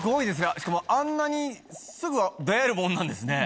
しかもあんなにすぐ出合えるもんなんですね。